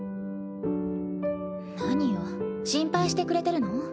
何よ心配してくれてるの？